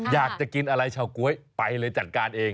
อยากจะกินอะไรชาวก๊วยไปเลยจัดการเอง